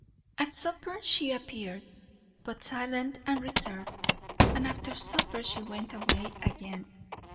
At supper she appeared, but silent and reserved; and after supper she went away again.